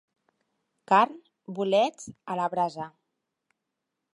Carn, bolets, a la brasa.